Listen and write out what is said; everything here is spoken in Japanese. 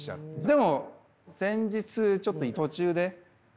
でも先日ちょっとえっ！？